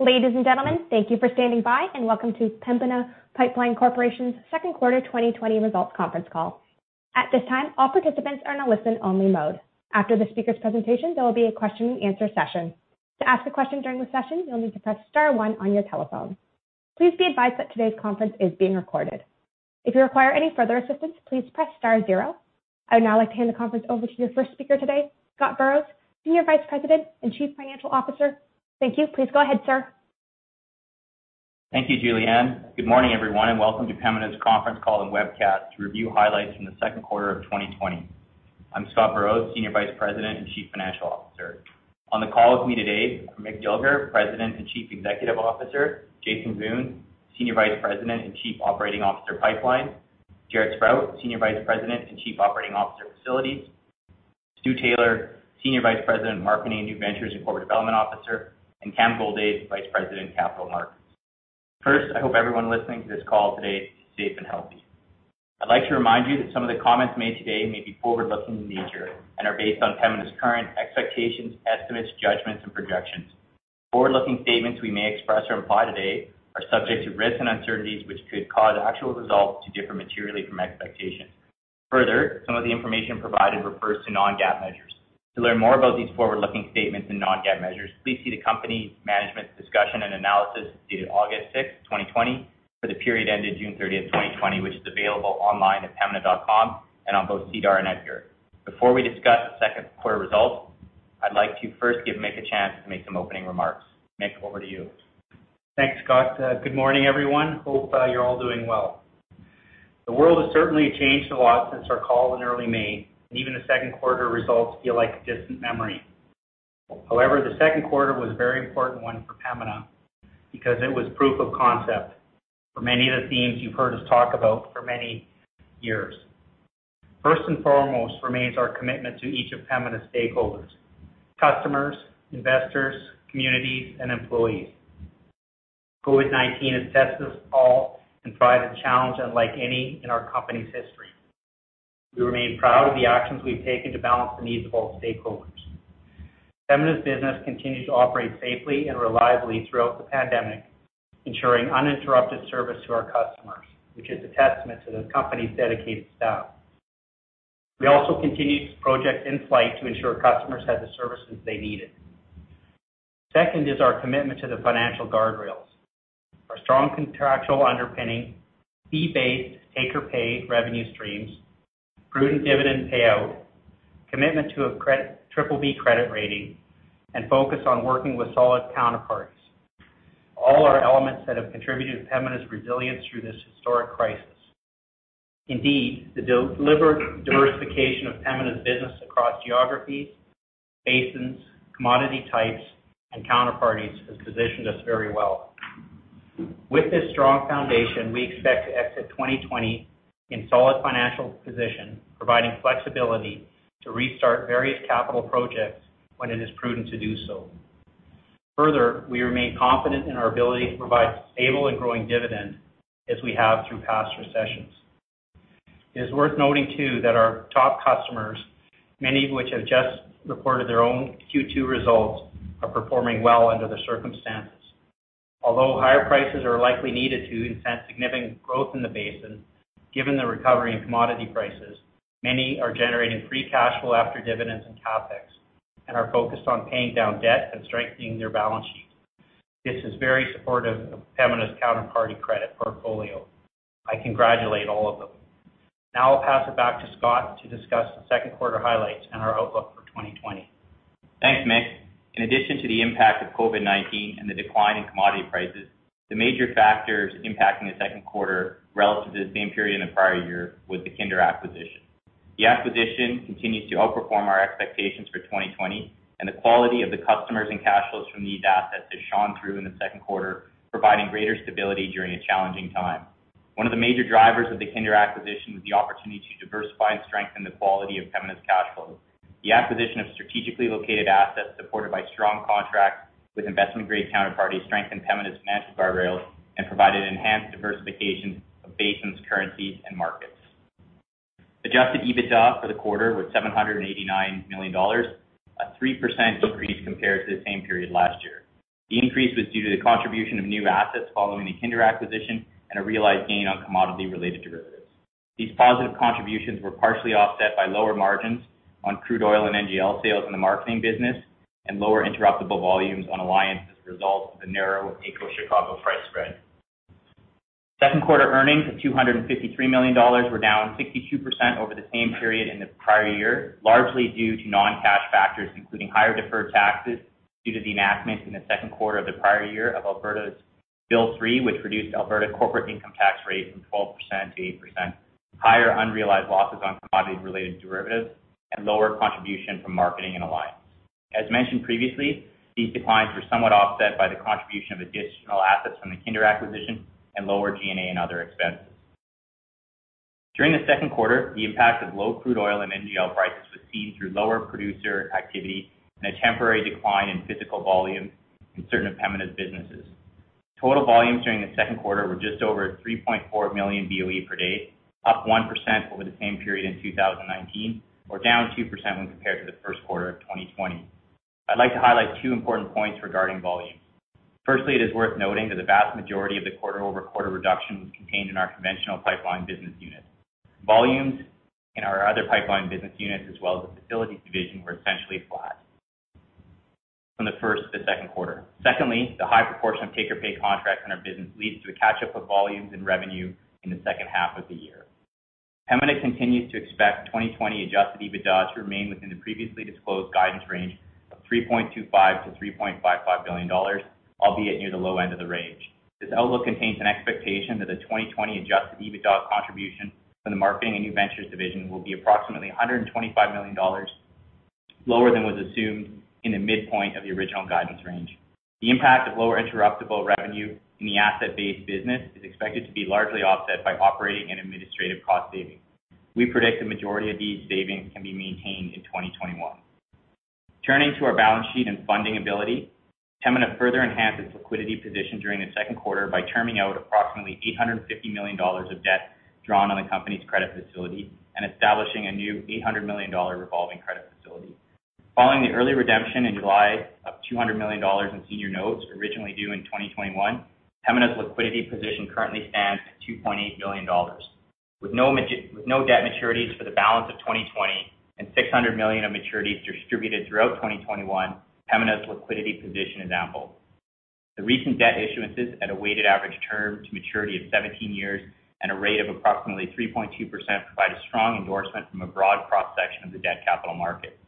Ladies and gentlemen, thank you for standing by and welcome to Pembina Pipeline Corporation's Second Quarter 2020 Results Conference Call. At this time, all participants are in a listen-only mode. After the speaker's presentation, there will be a question and answer session. To ask a question during the session, you'll need to press star one on your telephone. Please be advised that today's conference is being recorded. If you require any further assistance, please press star zero. I'd now like to hand the conference over to your first speaker today, Scott Burrows, Senior Vice President and Chief Financial Officer. Thank you. Please go ahead, sir. Thank you, Julianne. Good morning, everyone, welcome to Pembina's Conference Call and Webcast to review highlights from the second quarter of 2020. I'm Scott Burrows, Senior Vice President and Chief Financial Officer. On the call with me today are Mick Dilger, President and Chief Executive Officer, Jason Wiun, Senior Vice President and Chief Operating Officer, Pipeline, Jaret Sprott, Senior Vice President and Chief Operating Officer, Facilities, Stuart Taylor, Senior Vice President, Marketing and New Ventures and Corporate Development Officer, and Cameron Goldade, Vice President, Capital Markets. First, I hope everyone listening to this call today is safe and healthy. I'd like to remind you that some of the comments made today may be forward-looking in nature and are based on Pembina's current expectations, estimates, judgments and projections. Forward-looking statements we may express or imply today are subject to risks and uncertainties which could cause actual results to differ materially from expectations. Further, some of the information provided refers to non-GAAP measures. To learn more about these forward-looking statements and non-GAAP measures, please see the company's management's discussion and analysis dated August 6th, 2020 for the period ending June 30, 2020, which is available online at pembina.com and on both SEDAR and EDGAR. Before we discuss the second quarter results, I'd like to first give Mick a chance to make some opening remarks. Mick, over to you. Thanks, Scott. Good morning, everyone. Hope you're all doing well. The world has certainly changed a lot since our call in early May, and even the second quarter results feel like a distant memory. However, the second quarter was a very important one for Pembina because it was proof of concept for many of the themes you've heard us talk about for many years. First and foremost remains our commitment to each of Pembina's stakeholders, customers, investors, communities, and employees. COVID-19 has tested us all and provided a challenge unlike any in our company's history. We remain proud of the actions we've taken to balance the needs of all stakeholders. Pembina's business continues to operate safely and reliably throughout the pandemic, ensuring uninterrupted service to our customers, which is a testament to the company's dedicated staff. We also continued projects in flight to ensure customers had the services they needed. Second is our commitment to the financial guardrails. Our strong contractual underpinning, fee-based, take-or-pay revenue streams, prudent dividend payout, commitment to a BBB credit rating, and focus on working with solid counterparts, all are elements that have contributed to Pembina's resilience through this historic crisis. The deliberate diversification of Pembina's business across geographies, basins, commodity types, and counterparties has positioned us very well. With this strong foundation, we expect to exit 2020 in solid financial position, providing flexibility to restart various capital projects when it is prudent to do so. We remain confident in our ability to provide a stable and growing dividend as we have through past recessions. It is worth noting too that our top customers, many of which have just reported their own Q2 results, are performing well under the circumstances. Although higher prices are likely needed to incent significant growth in the basin, given the recovery in commodity prices, many are generating free cash flow after dividends and CapEx and are focused on paying down debt and strengthening their balance sheet. This is very supportive of Pembina's counterparty credit portfolio. I congratulate all of them. Now I'll pass it back to Scott to discuss the second quarter highlights and our outlook for 2020. Thanks, Mick. In addition to the impact of COVID-19 and the decline in commodity prices, the major factors impacting the second quarter relative to the same period in the prior year was the Kinder acquisition. The acquisition continues to outperform our expectations for 2020 and the quality of the customers and cash flows from these assets has shone through in the second quarter, providing greater stability during a challenging time. One of the major drivers of the Kinder acquisition was the opportunity to diversify and strengthen the quality of Pembina's cash flows. The acquisition of strategically located assets supported by strong contracts with investment-grade counterparties strengthened Pembina's financial guardrails and provided enhanced diversification of basins, currencies, and markets. Adjusted EBITDA for the quarter was 789 million dollars, a 3% increase compared to the same period last year. The increase was due to the contribution of new assets following the Kinder acquisition and a realized gain on commodity-related derivatives. These positive contributions were partially offset by lower margins on crude oil and NGL sales in the marketing business and lower interruptible volumes on Alliance as a result of the narrow AECO Chicago price spread. Second quarter earnings of 253 million dollars were down 62% over the same period in the prior year, largely due to non-cash factors, including higher deferred taxes due to the enactment in the second quarter of the prior year of Alberta's Bill 3, which reduced Alberta corporate income tax rate from 12% to 8%, higher unrealized losses on commodity-related derivatives, and lower contribution from Marketing and Alliance. As mentioned previously, these declines were somewhat offset by the contribution of additional assets from the Kinder acquisition and lower G&A and other expenses. During the second quarter, the impact of low crude oil and NGL prices was seen through lower producer activity and a temporary decline in physical volume in certain of Pembina's businesses. Total volumes during the second quarter were just over 3.4 MMboepd, up 1% over the same period in 2019 or down 2% when compared to the first quarter of 2020. I'd like to highlight two important points regarding volume. Firstly, it is worth noting that the vast majority of the quarter-over-quarter reduction was contained in our conventional pipeline business unit. Volumes in our other pipeline business units as well as the facilities division were essentially flat from the first to the second quarter. Secondly, the high proportion of take-or-pay contracts in our business leads to a catch-up of volumes and revenue in the second half of the year. Pembina continues to expect 2020 adjusted EBITDA to remain within the previously disclosed guidance range of 3.25 billion-3.55 billion dollars, albeit near the low end of the range. This outlook contains an expectation that the 2020 adjusted EBITDA contribution from the Marketing and New Ventures division will be approximately 125 million dollars lower than was assumed in the midpoint of the original guidance range. The impact of lower interruptible revenue in the asset-based business is expected to be largely offset by operating and administrative cost savings. We predict the majority of these savings can be maintained in 2021. Turning to our balance sheet and funding ability, Pembina further enhanced its liquidity position during the second quarter by terming out approximately 850 million dollars of debt drawn on the company's credit facility and establishing a new 800 million dollar revolving credit facility. Following the early redemption in July of 200 million dollars in senior notes originally due in 2021, Pembina's liquidity position currently stands at 2.8 billion dollars. With no debt maturities for the balance of 2020 and 600 million of maturities distributed throughout 2021, Pembina's liquidity position is ample. The recent debt issuances at a weighted average term to maturity of 17 years and a rate of approximately 3.2% provide a strong endorsement from a broad cross-section of the debt capital market.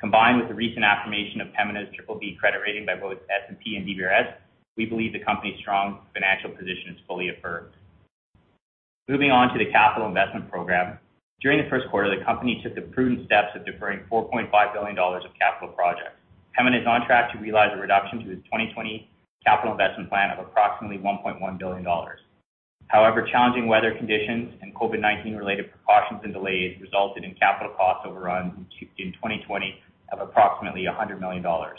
Combined with the recent affirmation of Pembina's BBB credit rating by both S&P and DBRS, we believe the company's strong financial position is fully affirmed. Moving on to the capital investment program. During the first quarter, the company took the prudent steps of deferring 4.5 billion dollars of capital projects. Pembina is on track to realize a reduction to its 2020 capital investment plan of approximately 1.1 billion dollars. However, challenging weather conditions and COVID-19 related precautions and delays resulted in capital cost overrun in 2020 of approximately 100 million dollars.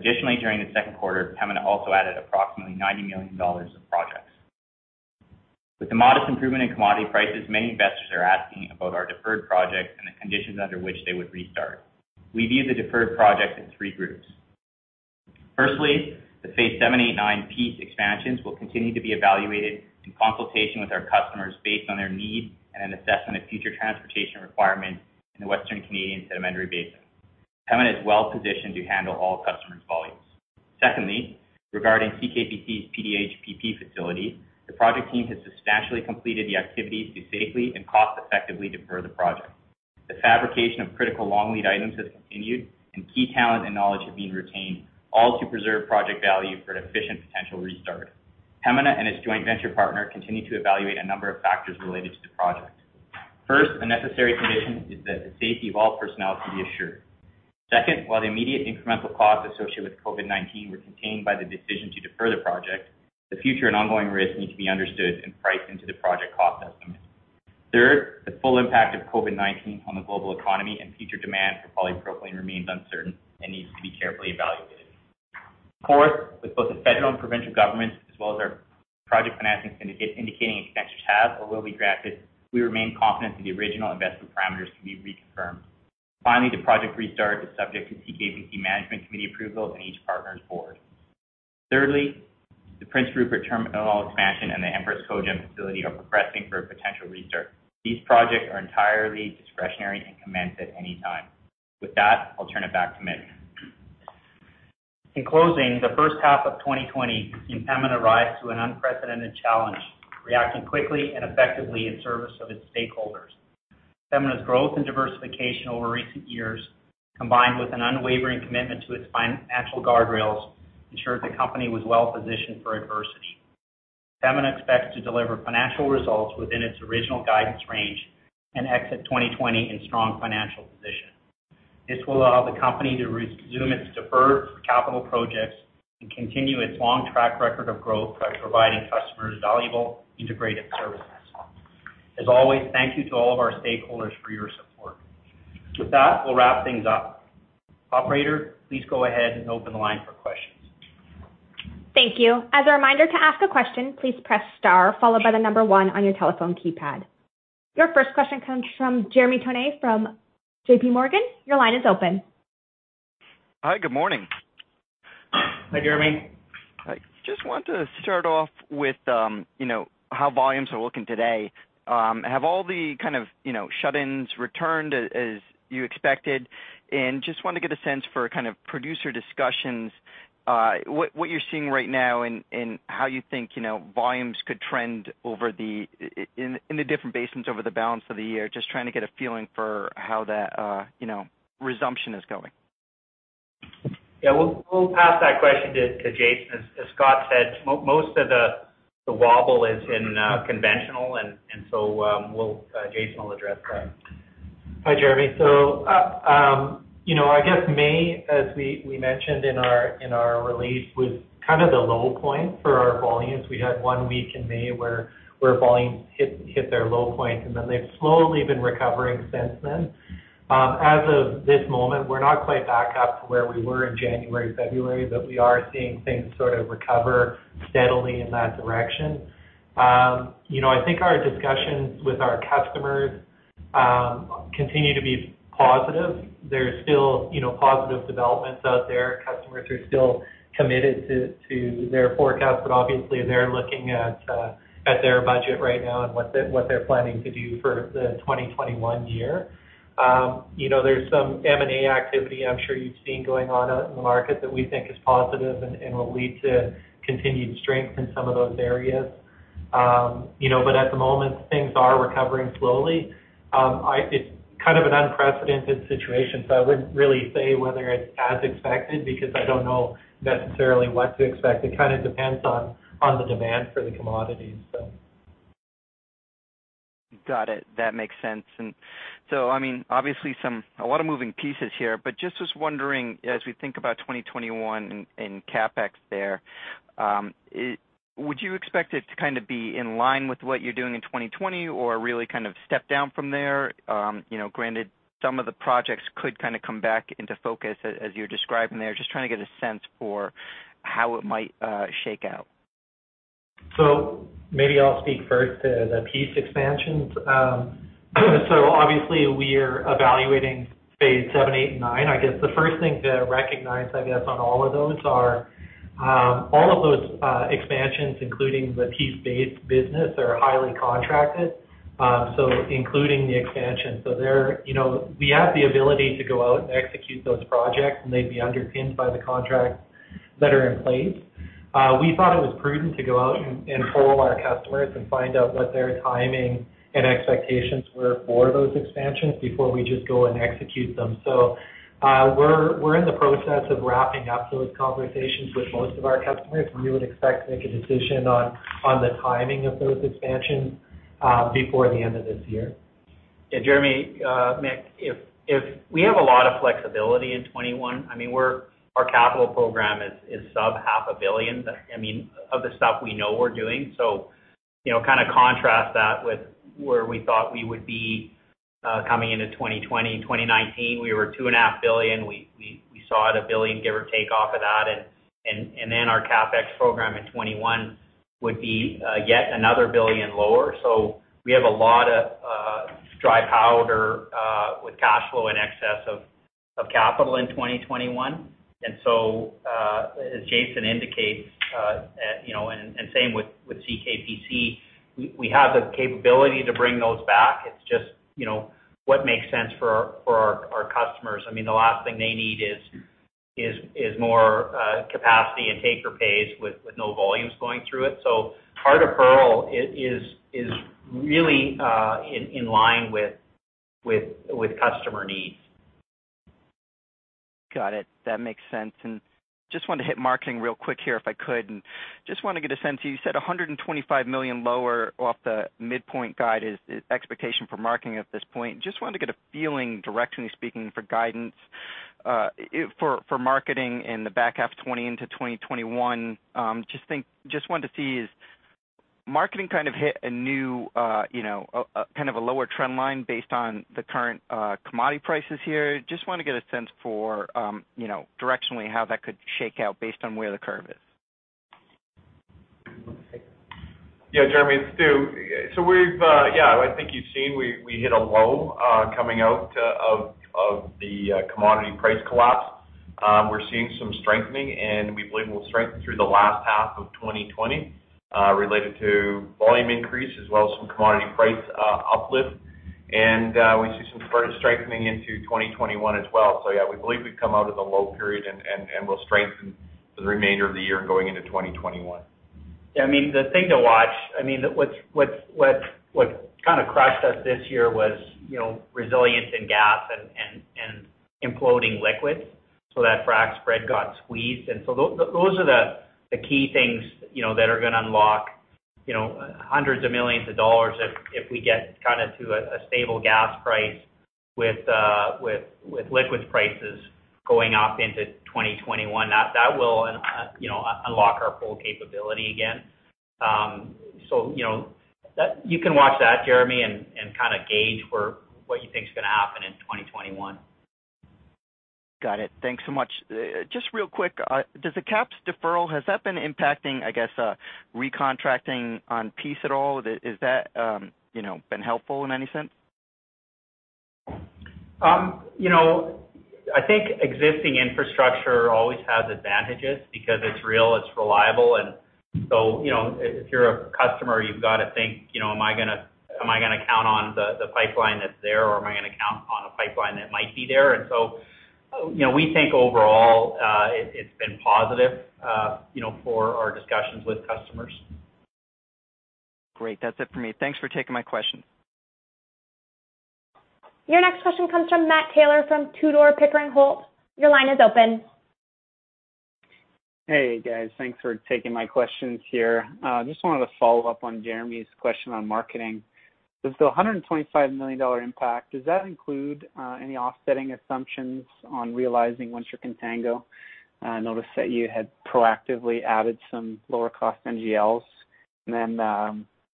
During the second quarter, Pembina also added approximately 90 million dollars of projects. With the modest improvement in commodity prices, many investors are asking about our deferred projects and the conditions under which they would restart. We view the deferred projects in three groups. Firstly, the phase VII, VIII, IX Peace expansions will continue to be evaluated in consultation with our customers based on their need and an assessment of future transportation requirements in the Western Canadian Sedimentary Basin. Pembina is well-positioned to handle all customers' volumes. Secondly, regarding CKPC's PDH/PP facility, the project team has substantially completed the activities to safely and cost-effectively defer the project. The fabrication of critical long-lead items has continued, and key talent and knowledge are being retained, all to preserve project value for an efficient potential restart. Pembina and its joint venture partner continue to evaluate a number of factors related to the project. First, a necessary condition is that the safety of all personnel can be assured. Second, while the immediate incremental costs associated with COVID-19 were contained by the decision to defer the project, the future and ongoing risks need to be understood and priced into the project cost estimate. Third, the full impact of COVID-19 on the global economy and future demand for polypropylene remains uncertain and needs to be carefully evaluated. Fourth, with both the federal and provincial governments, as well as our project financing syndicate indicating exemptions have or will be granted, we remain confident that the original investment parameters can be reconfirmed. Finally, the project restart is subject to CKPC management committee approval and each partner's board. Thirdly, the Prince Rupert terminal expansion and the Empress Cogeneration facility are progressing for a potential restart. These projects are entirely discretionary and can commence at any time. With that, I'll turn it back to Mick. In closing, the first half of 2020 seen Pembina rise to an unprecedented challenge, reacting quickly and effectively in service of its stakeholders. Pembina's growth and diversification over recent years, combined with an unwavering commitment to its financial guardrails, ensured the company was well-positioned for adversity. Pembina expects to deliver financial results within its original guidance range and exit 2020 in strong financial position. This will allow the company to resume its deferred capital projects and continue its long track record of growth by providing customers valuable integrated services. As always, thank you to all of our stakeholders for your support. With that, we'll wrap things up. Operator, please go ahead and open the line for questions. Thank you. As a reminder, to ask a question, please press star followed by the number one on your telephone keypad. Your first question comes from Jeremy Tonet from JPMorgan. Your line is open. Hi, good morning. Hi, Jeremy. Hi. Just wanted to start off with how volumes are looking today. Have all the shut-ins returned as you expected? Just want to get a sense for producer discussions, what you're seeing right now and how you think volumes could trend in the different basins over the balance of the year. Just trying to get a feeling for how that resumption is going. Yeah. We'll pass that question to Jason. As Scott said, most of the wobble is in conventional, Jason will address that. Hi, Jeremy. I guess May, as we mentioned in our release, was the low point for our volumes. We had one week in May where volumes hit their low point, they've slowly been recovering since then. As of this moment, we're not quite back up to where we were in January, February, we are seeing things sort of recover steadily in that direction. I think our discussions with our customers continue to be positive. There's still positive developments out there. Customers are still committed to their forecast, obviously they're looking at their budget right now and what they're planning to do for the 2021 year. There's some M&A activity I'm sure you've seen going on out in the market that we think is positive and will lead to continued strength in some of those areas. At the moment, things are recovering slowly. It's kind of an unprecedented situation, so I wouldn't really say whether it's as expected, because I don't know necessarily what to expect. It kind of depends on the demand for the commodities. Got it. That makes sense. Obviously a lot of moving pieces here, but just was wondering, as we think about 2021 and CapEx there, would you expect it to be in line with what you're doing in 2020 or really kind of step down from there? Granted, some of the projects could kind of come back into focus as you're describing there. Just trying to get a sense for how it might shake out. Maybe I'll speak first to the Peace expansions. Obviously we're evaluating phase VII, VIII and phase IX. The first thing to recognize on all of those are all of those expansions, including the Peace phase business, are highly contracted, so including the expansion. We have the ability to go out and execute those projects, and they'd be underpinned by the contracts that are in place. We thought it was prudent to go out and poll our customers and find out what their timing and expectations were for those expansions before we just go and execute them. We're in the process of wrapping up those conversations with most of our customers, and we would expect to make a decision on the timing of those expansions before the end of this year. Jeremy, Mick, we have a lot of flexibility in 2021. Our capital program is sub 0.5 billion, of the stuff we know we're doing. Kind of contrast that with where we thought we would be coming into 2020. 2019, we were 2.5 Billion. We saw it 1 billion, give or take off of that. Our CapEx program in 2021 would be yet another 1 billion lower. We have a lot of dry powder with cashflow in excess of capital in 2021. As Jason indicates, and same with CKPC, we have the capability to bring those back. It's just what makes sense for our customers. The last thing they need is more capacity and take-or-pays with no volumes going through it. Part of Peace is really in line with customer needs. Got it. That makes sense. Just wanted to hit marketing real quick here if I could, and just want to get a sense. You said 125 million lower off the midpoint guide is expectation for marketing at this point. Just wanted to get a feeling directionally speaking for guidance for marketing in the back half 2020 into 2021. Just wanted to see is marketing kind of hit a new lower trend line based on the current commodity prices here? Just want to get a sense for directionally how that could shake out based on where the curve is. Jeremy, it's Stuart. I think you've seen we hit a low coming out of the commodity price collapse. We're seeing some strengthening. We believe we'll strengthen through the last half of 2020 related to volume increase as well as some commodity price uplift. We see some further strengthening into 2021 as well. We believe we've come out of the low period, and we'll strengthen for the remainder of the year and going into 2021. Yeah. What kind of crushed us this year was resilience in gas and imploding liquids, so that frac spread got squeezed. Those are the key things that are going to unlock hundreds of millions of CAD if we get to a stable gas price with liquids prices going up into 2021. That will unlock our full capability again. You can watch that, Jeremy, and gauge for what you think is going to happen in 2021. Got it. Thanks so much. Just real quick, does the CapEx deferral, has that been impacting, I guess, recontracting on Peace at all? Is that been helpful in any sense? I think existing infrastructure always has advantages because it's real, it's reliable, and so if you're a customer, you've got to think, "Am I going to count on the pipeline that's there or am I going to count on a pipeline that might be there?" We think overall, it's been positive for our discussions with customers. Great. That's it for me. Thanks for taking my question. Your next question comes from Matt Taylor from Tudor, Pickering, Holt. Your line is open. Hey, guys. Thanks for taking my questions here. Just wanted to follow up on Jeremy's question on marketing. Does the 125 million dollar impact, does that include any offsetting assumptions on realizing winter contango? I noticed that you had proactively added some lower cost NGLs.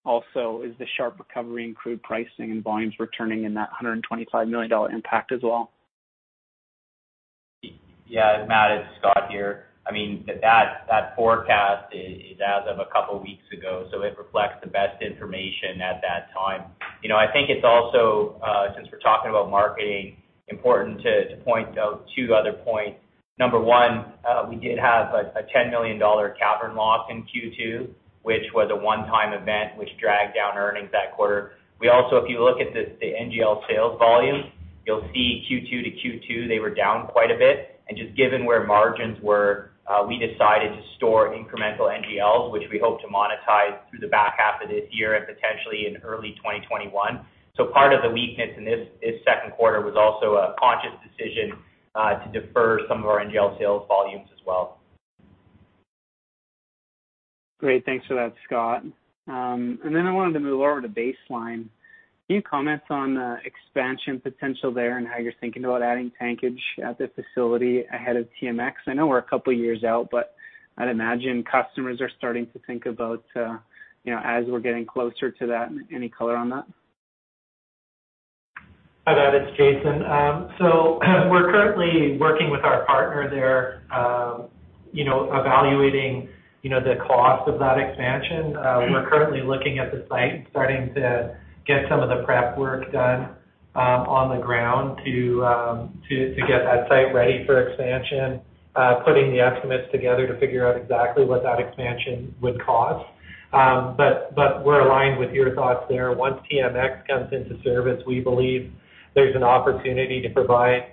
Also, is the sharp recovery in crude pricing and volumes returning in that 125 million dollar impact as well? Yeah, Matt, it's Scott here. That forecast is as of a couple of weeks ago, it reflects the best information at that time. I think it's also, since we're talking about marketing, important to point out two other points. Number one, we did have a 10 million dollar cavern loss in Q2, which was a one-time event, which dragged down earnings that quarter. We also, if you look at the NGL sales volume, you'll see Q2 to Q2, they were down quite a bit. Just given where margins were, we decided to store incremental NGLs, which we hope to monetize through the back half of this year and potentially in early 2021. Part of the weakness in this second quarter was also a conscious decision, to defer some of our NGL sales volumes as well. Great. Thanks for that, Scott. I wanted to move over to Base Line. Can you comment on expansion potential there and how you're thinking about adding tankage at the facility ahead of TMX? I know we're a couple of years out, I'd imagine customers are starting to think about, as we're getting closer to that. Any color on that? Hi, Matt, it's Jason. We're currently working with our partner there, evaluating the cost of that expansion. We're currently looking at the site, starting to get some of the prep work done on the ground to get that site ready for expansion, putting the estimates together to figure out exactly what that expansion would cost. We're aligned with your thoughts there. Once TMX comes into service, we believe there's an opportunity to provide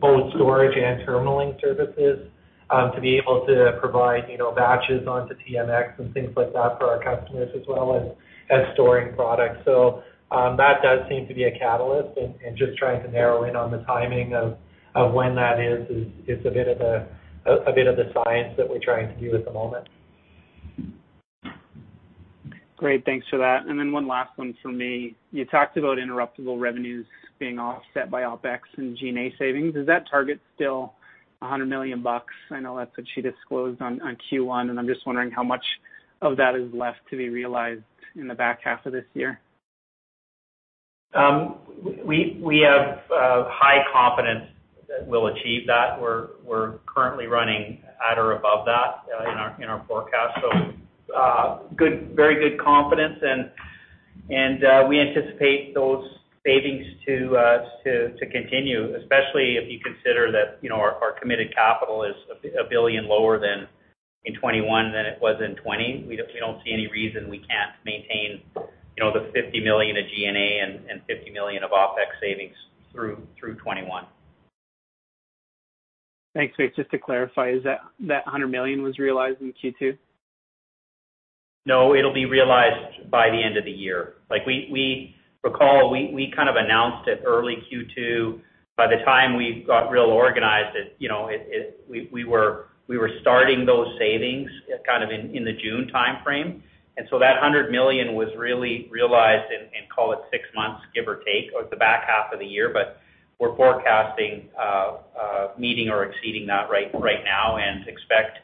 both storage and terminaling services, to be able to provide batches onto TMX and things like that for our customers, as well as storing products. That does seem to be a catalyst, and just trying to narrow in on the timing of when that is a bit of a science that we're trying to do at the moment. Great. Thanks for that. One last one from me. You talked about interruptible revenues being offset by OpEx and G&A savings. Is that target still 100 million bucks? I know that's what you disclosed on Q1. I'm just wondering how much of that is left to be realized in the back half of this year. We have high confidence that we'll achieve that. We're currently running at or above that in our forecast. Very good confidence, and we anticipate those savings to continue, especially if you consider that our committed capital is 1 billion lower than in 2021 than it was in 2020. We don't see any reason we can't maintain the 50 million of G&A and 50 million of OpEx savings through 2021. Thanks. Wait, just to clarify, is that 100 million was realized in Q2? No, it'll be realized by the end of the year. Recall, we kind of announced it early Q2. By the time we got real organized, we were starting those savings kind of in the June timeframe. That 100 million was really realized in, call it six months, give or take, or the back half of the year. We're forecasting meeting or exceeding that right now and expect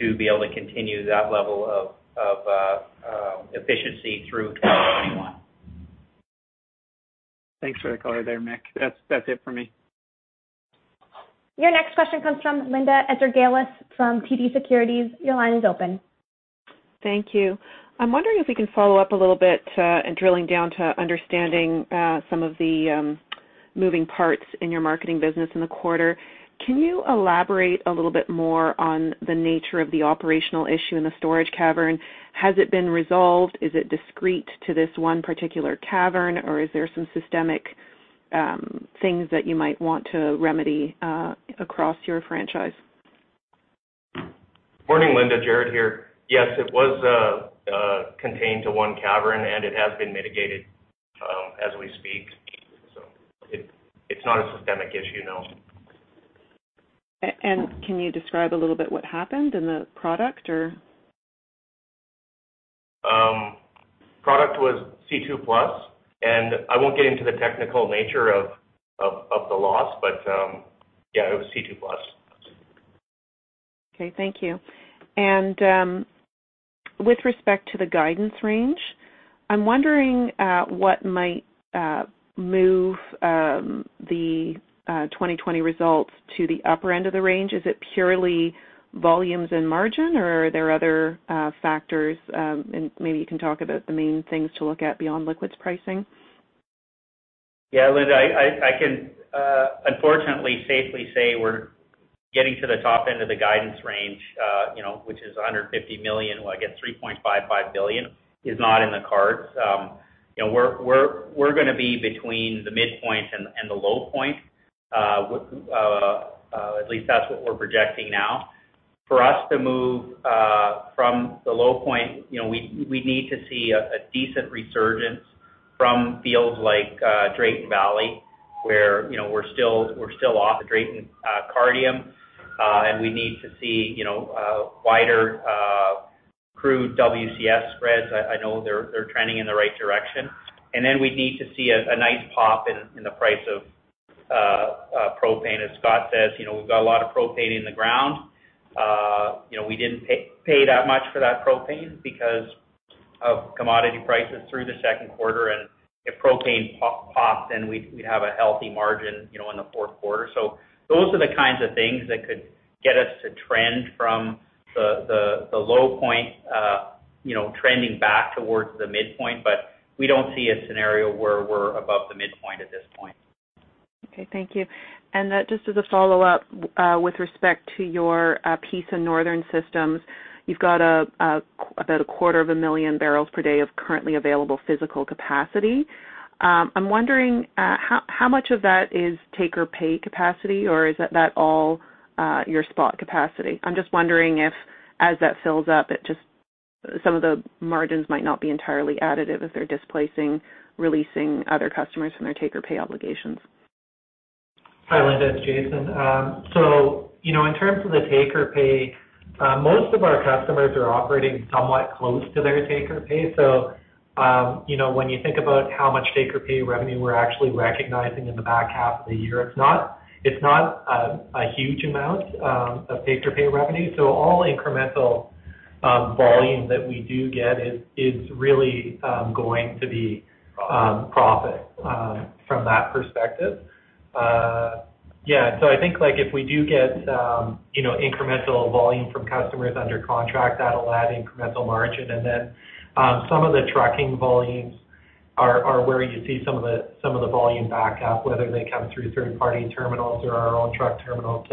to be able to continue that level of efficiency through 2021. Thanks for the color there, Mick. That's it for me. Your next question comes from Linda Ezergailis from TD Securities. Your line is open. Thank you. I'm wondering if we can follow up a little bit, drilling down to understanding some of the moving parts in your marketing business in the quarter. Can you elaborate a little bit more on the nature of the operational issue in the storage cavern? Has it been resolved? Is it discrete to this one particular cavern, or is there some systemic things that you might want to remedy across your franchise? Morning, Linda. Jaret here. It was contained to one cavern, and it has been mitigated as we speak. It's not a systemic issue, no. Can you describe a little bit what happened and the product, or? Product was C2+. I won't get into the technical nature of the loss, but yeah, it was C2+. Okay, thank you. With respect to the guidance range, I'm wondering what might move the 2020 results to the upper end of the range. Is it purely volumes and margin, or are there other factors? Maybe you can talk about the main things to look at beyond liquids pricing. Linda, I can unfortunately safely say we're getting to the top end of the guidance range, which is 150 million. Well, I guess 3.55 billion is not in the cards. We're going to be between the midpoint and the low point. At least that's what we're projecting now. For us to move the low point, we need to see a decent resurgence from fields like Drayton Valley, where we're still off the Drayton Cardium. We need to see wider crude WCS spreads. I know they're trending in the right direction. We'd need to see a nice pop in the price of propane. As Scott says, we've got a lot of propane in the ground. We didn't pay that much for that propane because of commodity prices through the second quarter. If propane pops, we'd have a healthy margin in the fourth quarter. Those are the kinds of things that could get us to trend from the low point trending back towards the midpoint. We don't see a scenario where we're above the midpoint at this point. Okay. Thank you. Just as a follow-up, with respect to your Peace and Northern systems, you've got about 250,000 bpd of currently available physical capacity. I'm wondering, how much of that is take-or-pay capacity, or is that all your spot capacity? I'm just wondering if, as that fills up, some of the margins might not be entirely additive if they're displacing, releasing other customers from their take-or-pay obligations. Hi, Linda. It's Jason. In terms of the take-or-pay, most of our customers are operating somewhat close to their take-or-pay. When you think about how much take-or-pay revenue we're actually recognizing in the back half of the year, it's not a huge amount of take-or-pay revenue. All incremental volume that we do get is really going to be profit from that perspective. I think if we do get incremental volume from customers under contract, that'll add incremental margin. Some of the trucking volumes are where you see some of the volume back up, whether they come through third-party terminals or our own truck terminal.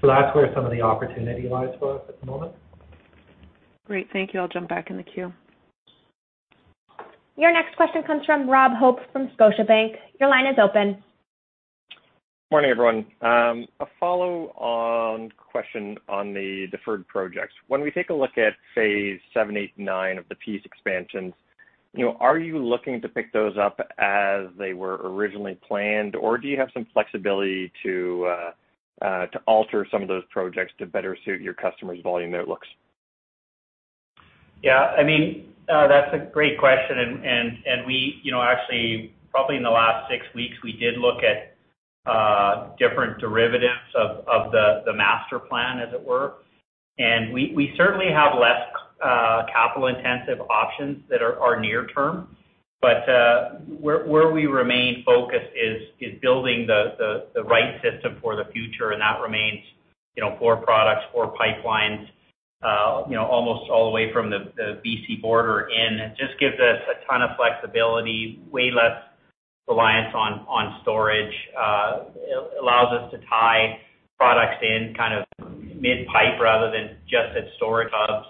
That's where some of the opportunity lies for us at the moment. Great. Thank you. I'll jump back in the queue. Your next question comes from Rob Hope from Scotiabank. Your line is open. Morning, everyone. A follow-on question on the deferred projects. When we take a look at phase VII, VIII, IX of the Peace expansions, are you looking to pick those up as they were originally planned, or do you have some flexibility to alter some of those projects to better suit your customers' volume outlooks? That's a great question. We, actually, probably in the last six weeks, we did look at different derivatives of the master plan, as it were. We certainly have less capital-intensive options that are near-term. Where we remain focused is building the right system for the future, that remains four products, four pipelines almost all the way from the B.C. border in. It just gives us a ton of flexibility, way less reliance on storage. It allows us to tie products in mid-pipe rather than just at storage hubs.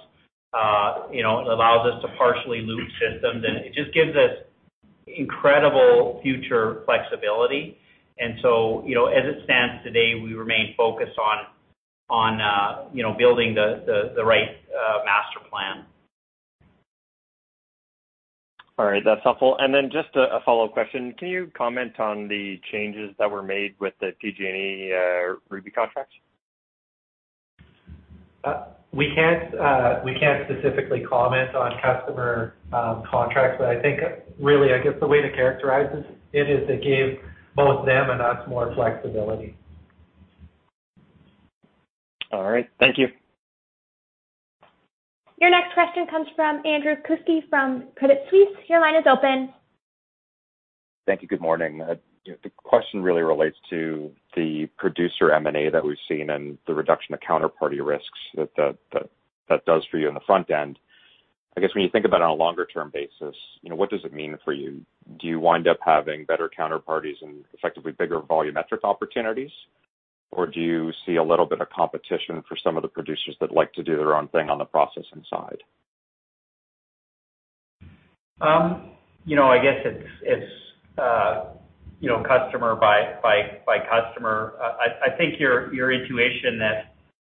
It allows us to partially loop systems, it just gives us incredible future flexibility. As it stands today, we remain focused on building the right master plan. All right. That's helpful. Then just a follow-up question. Can you comment on the changes that were made with the PG&E Ruby contract? We can't specifically comment on customer contracts, but I think, really, I guess the way to characterize it is it gave both them and us more flexibility. All right. Thank you. Your next question comes from Andrew Kuske from Credit Suisse. Your line is open. Thank you. Good morning. The question really relates to the producer M&A that we've seen and the reduction of counterparty risks that does for you on the front end. I guess, when you think about it on a longer-term basis, what does it mean for you? Do you wind up having better counterparties and effectively bigger volumetric opportunities? Do you see a little bit of competition for some of the producers that like to do their own thing on the processing side? I guess it's customer by customer. I think your intuition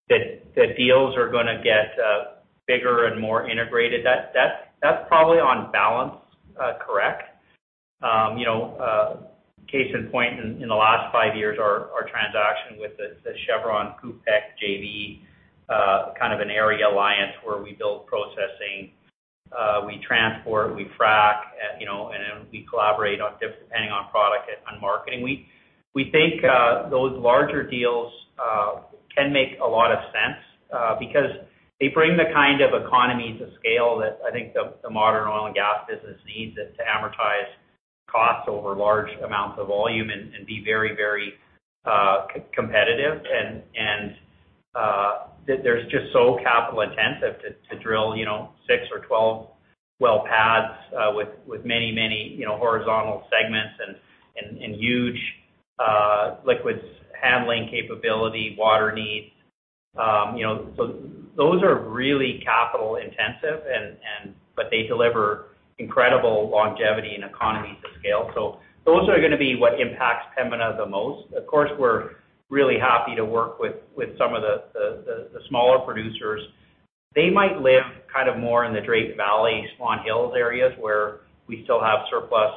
that deals are going to get bigger and more integrated, that's probably on balance, correct. Case in point, in the last five years, our transaction with the Chevron KUFPEC JV, kind of an area alliance where we build processing, we transport, we frack, and then we collaborate depending on product and marketing. We think those larger deals can make a lot of sense because they bring the kind of economies of scale that I think the modern oil and gas business needs to amortize costs over large amounts of volume and be very competitive. There's just so capital-intensive to drill 6 or 12 well pads with many horizontal segments and huge liquids handling capability, water needs. Those are really capital-intensive But they deliver incredible longevity and economies of scale. Those are going to be what impacts Pembina the most. Of course, we're really happy to work with some of the smaller producers. They might live more in the Drayton Valley, Swan Hills areas, where we still have surplus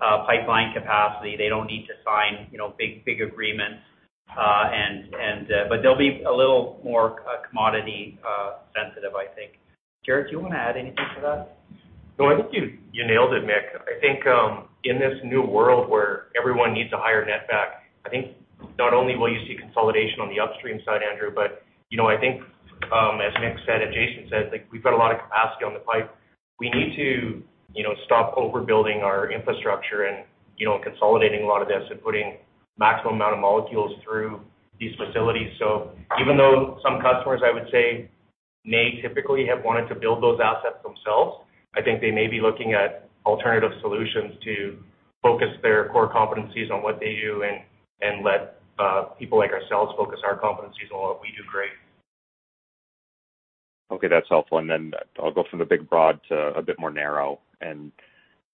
pipeline capacity. They don't need to sign big agreements. They'll be a little more commodity sensitive, I think. Jaret, do you want to add anything to that? No, I think you nailed it, Mick. I think in this new world where everyone needs a higher net back, I think not only will you see consolidation on the upstream side, Andrew, but I think as Mick said and Jason said, we've got a lot of capacity on the pipe. We need to stop overbuilding our infrastructure and consolidating a lot of this and putting maximum amount of molecules through these facilities. Even though some customers, I would say, may typically have wanted to build those assets themselves, I think they may be looking at alternative solutions to focus their core competencies on what they do and let people like ourselves focus our competencies on what we do great. Okay, that's helpful. Then I'll go from the big broad to a bit more narrow and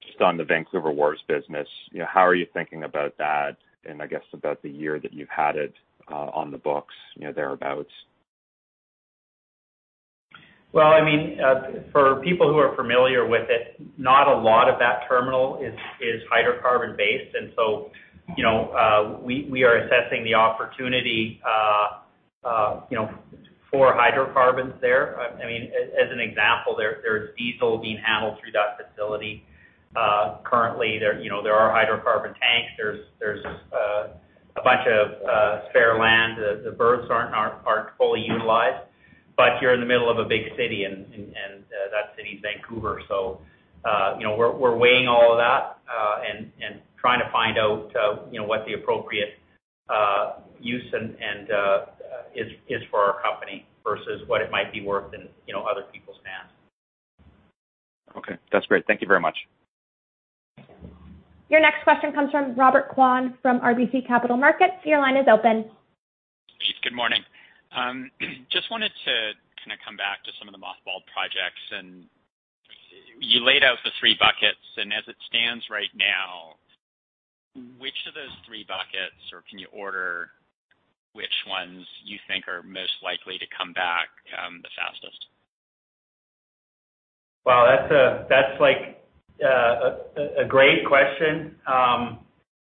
just on the Vancouver Wharves business, how are you thinking about that and I guess about the year that you've had it on the books, thereabouts? Well, for people who are familiar with it, not a lot of that terminal is hydrocarbon-based, and so we are assessing the opportunity for hydrocarbons there. As an example, there's diesel being handled through that facility. Currently, there are hydrocarbon tanks. There's a bunch of spare land. The berths aren't fully utilized, but you're in the middle of a big city and that city is Vancouver. We're weighing all of that, and trying to find out what the appropriate use is for our company versus what it might be worth in other people's hands. Okay. That's great. Thank you very much. Your next question comes from Robert Kwan from RBC Capital Markets. Your line is open. Good morning. Just wanted to kind of come back to some of the mothballed projects and you laid out the three buckets and as it stands right now, which of those three buckets, or can you order which ones you think are most likely to come back the fastest? Wow, that's a great question.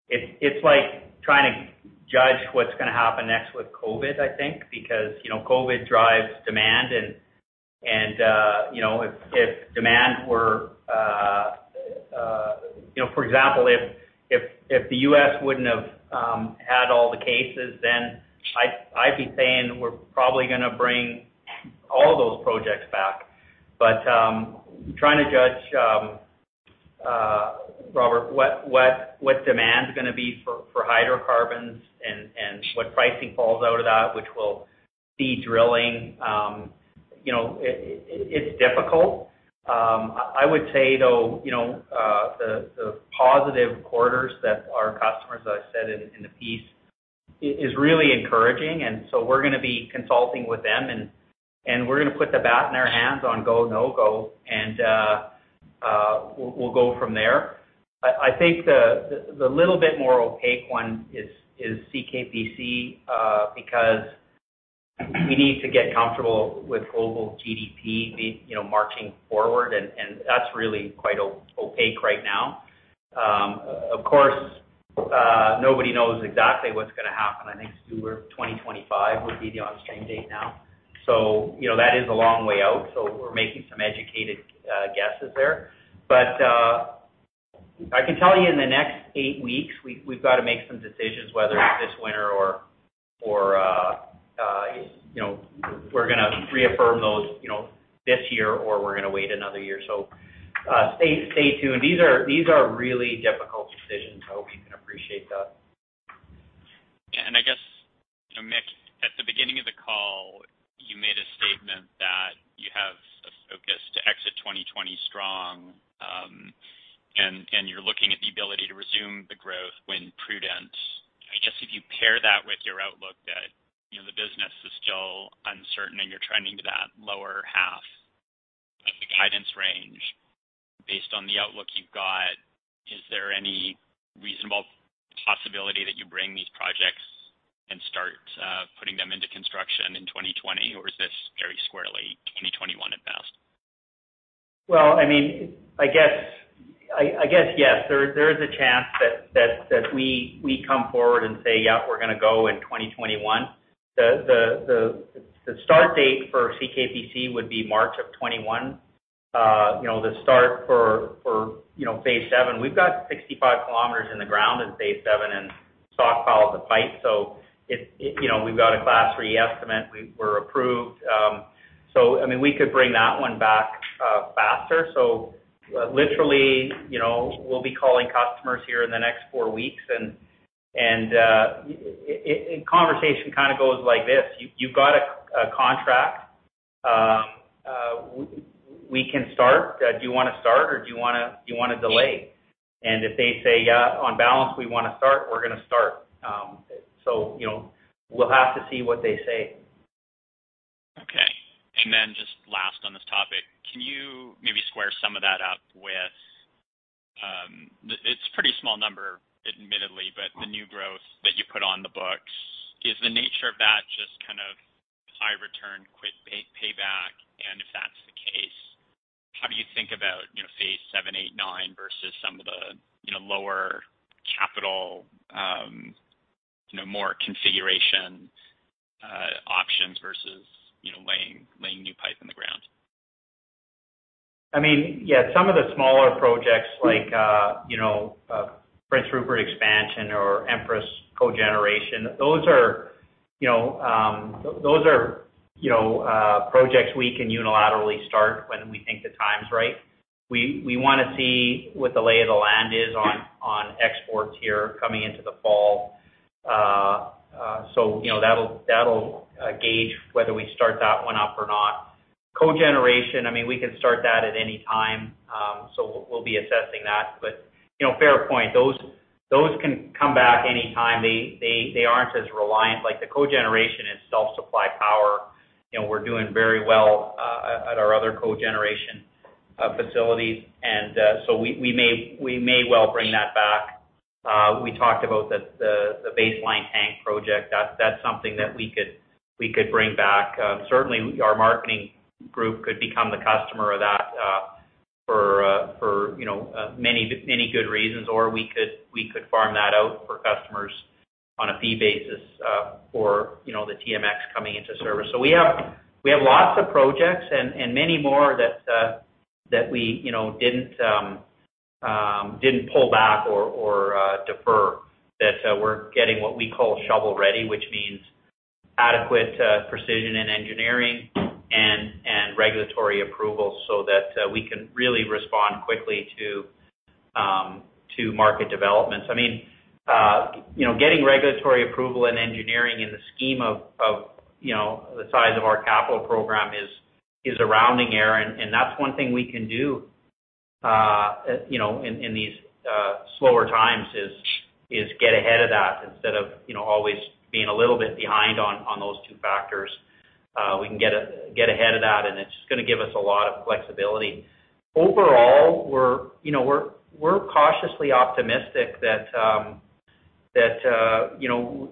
It's like trying to judge what's going to happen next with COVID, I think, because COVID drives demand. For example, if the U.S. wouldn't have had all the cases then I'd be saying we're probably going to bring all of those projects back. Trying to judge, Robert, what demand's going to be for hydrocarbons and what pricing falls out of that, which will see drilling, it's difficult. I would say, though, the positive quarters that our customers, as I said in the piece, is really encouraging. We're going to be consulting with them and we're going to put the bat in their hands on go, no go, and we'll go from there. I think the little bit more opaque one is CKPC, because we need to get comfortable with global GDP marching forward, and that's really quite opaque right now. Of course, nobody knows exactly what's going to happen. I think 2025 would be the on-stream date now. That is a long way out, so we're making some educated guesses there. I can tell you in the next eight weeks, we've got to make some decisions whether it's this winter or if we're going to reaffirm those this year or we're going to wait another year. Stay tuned. These are really difficult decisions. I hope you can appreciate that. I guess, Mick, at the beginning of the call, you made a statement that you have a focus to exit 2020 strong. You're looking at the ability to resume the growth when prudent. I guess if you pair that with your outlook that the business is still uncertain and you're trending to that lower half of the guidance range based on the outlook you've got, is there any reasonable possibility that you bring these projects and start putting them into construction in 2020? Is this very squarely 2021 at best? Well, I guess, yes. There is a chance that we come forward and say, "Yeah, we're going to go in 2021." The start date for CKPC would be March of 2021. The start for phase VII, we've got 65 km in the ground in phase VII and soft pile to pipe. We've got a class re-estimate. We're approved. We could bring that one back faster. Literally, we'll be calling customers here in the next four weeks and conversation kind of goes like this, "You've got a contract. We can start. Do you want to start or do you want to delay?" If they say, "Yeah, on balance, we want to start," we're going to start. We'll have to see what they say. Okay. Just last on this topic, can you maybe square some of that up with, it's a pretty small number admittedly, but the new growth that you put on the books, is the nature of that just kind of high return, quick payback? If that's the case, how do you think about phase VII, VIII, IX versus some of the lower capital, more configuration options versus laying new pipe in the ground? Yeah, some of the smaller projects like Prince Rupert expansion or Empress Cogeneration, those are projects we can unilaterally start when we think the time's right. We want to see what the lay of the land is on exports here coming into the fall. That'll gauge whether we start that one up or not. Cogeneration, we can start that at any time. We'll be assessing that. Fair point, those can come back any time. They aren't as reliant, like the cogeneration is self-supply power. We're doing very well at our other cogeneration facilities, we may well bring that back. We talked about the Baseline Tank project. That's something that we could bring back. Certainly, our marketing group could become the customer of that for many good reasons or we could farm that out for customers on a fee basis for the TMX coming into service. We have lots of projects and many more that we didn't pull back or defer that we're getting what we call shovel-ready, which means adequate precision and engineering and regulatory approval so that we can really respond quickly to market developments. Getting regulatory approval and engineering in the scheme of the size of our capital program is a rounding error, and that's one thing we can do in these slower times is get ahead of that instead of always being a little bit behind on those two factors. We can get ahead of that, and it's just going to give us a lot of flexibility. Overall, we're cautiously optimistic that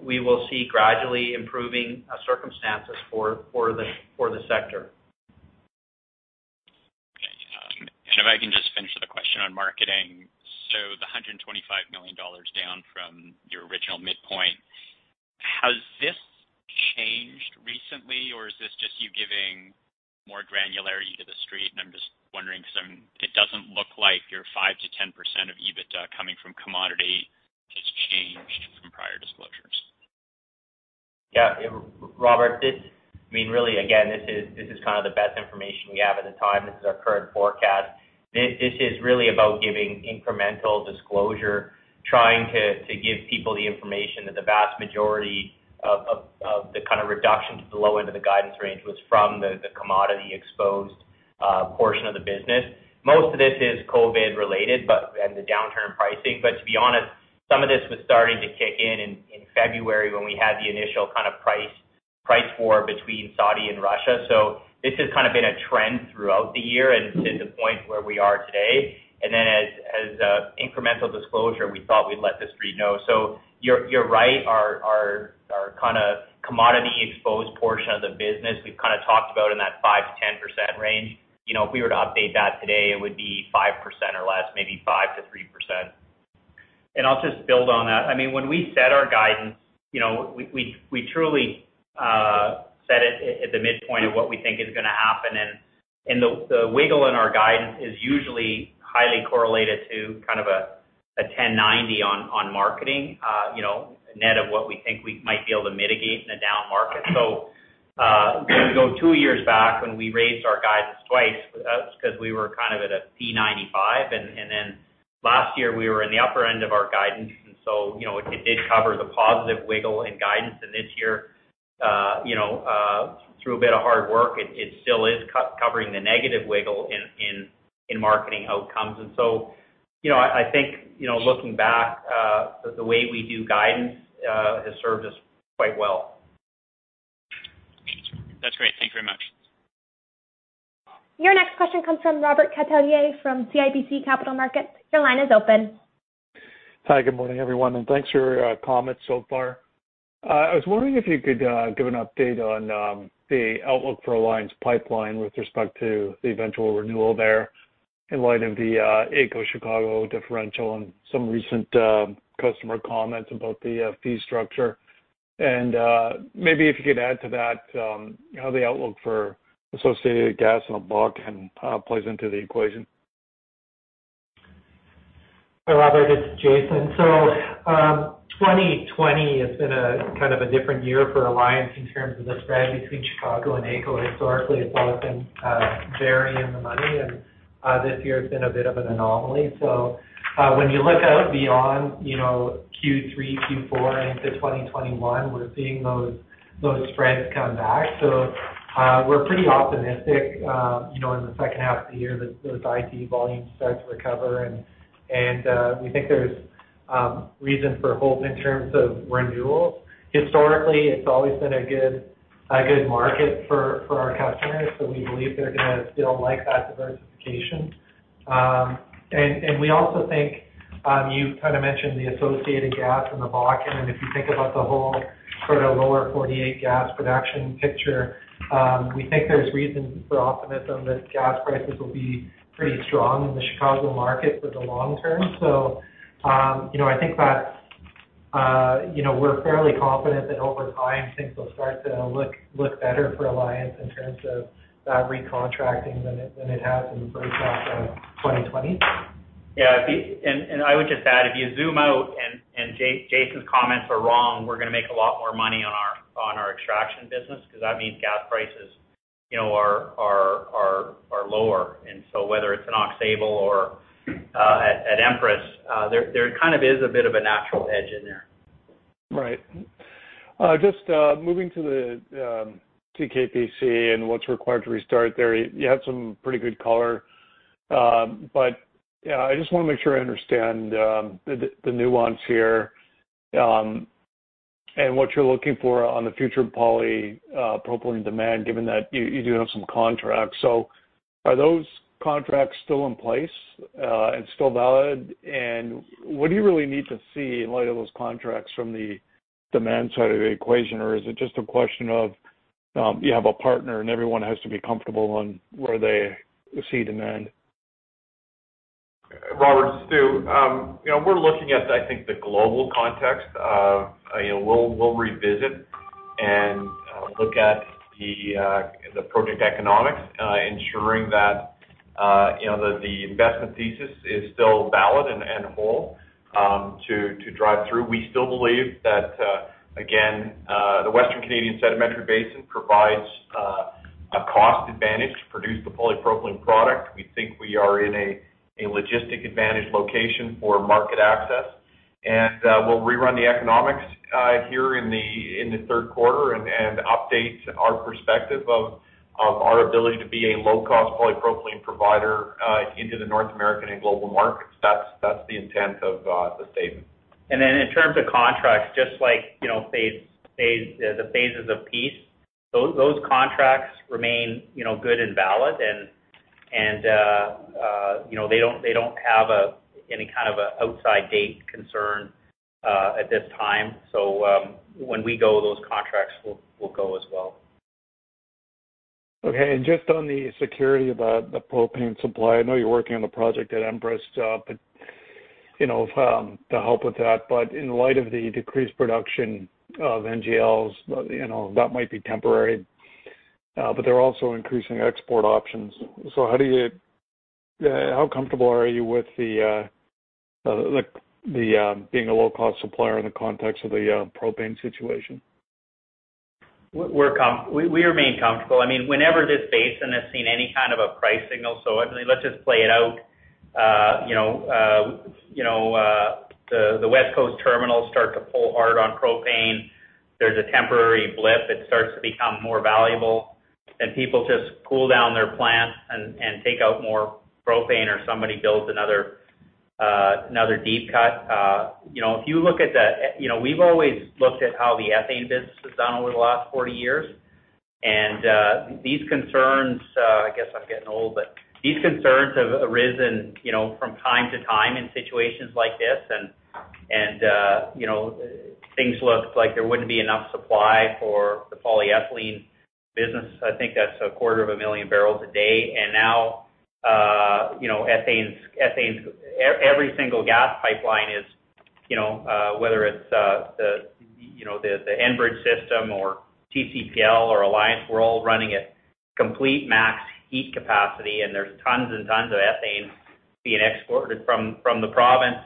we will see gradually improving circumstances for the sector. Okay. If I can just finish with a question on marketing. The 125 million dollars down from your original midpoint, has this changed recently, or is this just you giving more granularity to The Street? I'm just wondering because it doesn't look like your 5%-10% of EBITDA coming from commodity has changed from prior disclosures. Yeah. Robert, really, again, this is the best information we have at the time. This is our current forecast. This is really about giving incremental disclosure, trying to give people the information that the vast majority of the kind of reductions below into the guidance range was from the commodity-exposed portion of the business. Most of this is COVID related and the downturn in pricing. To be honest, some of this was starting to kick in in February when we had the initial kind of price war between Saudi and Russia. This has kind of been a trend throughout the year and to the point where we are today. As incremental disclosure, we thought we'd let The Street know. You're right, our kind of commodity-exposed portion of the business, we've kind of talked about in that 5%-10% range. If we were to update that today, it would be 5% or less, maybe 5%-3%. I'll just build on that. When we set our guidance, we truly set it at the midpoint of what we think is going to happen, and the wiggle in our guidance is usually highly correlated to kind of a 1090 on marketing, net of what we think we might be able to mitigate in a down market. When we go two years back when we raised our guidance twice, that was because we were at a C95, and then last year, we were in the upper end of our guidance. It did cover the positive wiggle in guidance. This year, through a bit of hard work, it still is covering the negative wiggle in marketing outcomes. I think, looking back, the way we do guidance has served us quite well. That's great. Thank you very much. Your next question comes from Robert Catellier from CIBC Capital Markets. Your line is open. Hi, good morning, everyone. Thanks for your comments so far. I was wondering if you could give an update on the outlook for Alliance Pipeline with respect to the eventual renewal there in light of the AECO/Chicago differential and some recent customer comments about the fee structure? Maybe if you could add to that, how the outlook for associated gas in Alberta can play into the equation? Hi, Robert, it's Jason. 2020 has been a kind of a different year for Alliance in terms of the spread between Chicago and AECO. Historically, it's always been very in the money, and this year it's been a bit of an anomaly. When you look out beyond Q3, Q4 into 2021, we're seeing those spreads come back. We're pretty optimistic in the second half of the year that those ID volumes start to recover and we think there's reason for hope in terms of renewals. Historically, it's always been a good A good market for our customers. We believe they're going to still like that diversification. We also think, you kind of mentioned the associated gas in the Bakken, and if you think about the whole sort of Lower 48 gas production picture, we think there's reason for optimism that gas prices will be pretty strong in the Chicago market for the long term. I think that we're fairly confident that over time things will start to look better for Alliance in terms of recontracting than it has in the first half of 2020. Yeah. I would just add, if you zoom out and Jason's comments are wrong, we're going to make a lot more money on our extraction business because that means gas prices are lower. Whether it's an Aux Sable or at Empress, there kind of is a bit of a natural hedge in there. Right. Just moving to the CKPC and what's required to restart there. You had some pretty good color. I just want to make sure I understand the nuance here, and what you're looking for on the future propylene demand, given that you do have some contracts. Are those contracts still in place, and still valid? What do you really need to see in light of those contracts from the demand side of the equation? Is it just a question of, you have a partner and everyone has to be comfortable on where they see demand? Robert, it's Stuart. We'll revisit and look at the project economics, ensuring that the investment thesis is still valid and whole to drive through. We still believe that, again, the Western Canadian Sedimentary Basin provides a cost advantage to produce the polypropylene product. We think we are in a logistic advantage location for market access. We'll rerun the economics here in the third quarter and update our perspective of our ability to be a low-cost polypropylene provider into the North American and global markets. That's the intent of the statement. In terms of contracts, just like the phases of Peace, those contracts remain good and valid and they don't have any kind of a outside date concern at this time. When we go, those contracts will go as well. Okay. Just on the security about the propane supply, I know you're working on the project at Empress to help with that, but in light of the decreased production of NGLs, that might be temporary, but they're also increasing export options. How comfortable are you with being a low-cost supplier in the context of the propane situation? We remain comfortable. Whenever this basin has seen any kind of a price signal, let's just play it out. The West Coast terminals start to pull hard on propane. There's a temporary blip. It starts to become more valuable, and people just pull down their plants and take out more propane, or somebody builds another deep cut. We've always looked at how the ethane business has done over the last 40 years, and these concerns, I guess I'm getting old, but these concerns have arisen from time to time in situations like this, and things looked like there wouldn't be enough supply for the polyethylene business. I think that's a quarter of 1 MMbpd. Every single gas pipeline is, whether it's the Enbridge system or TCPL or Alliance, we're all running at complete max heat capacity. There's tons and tons of ethane being exported from the province.